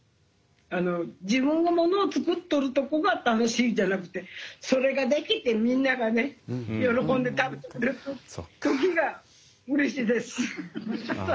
自分がものを作っとるとこが楽しいんじゃなくてそれができてみんながね喜んで食べてくれる時がうれしいです。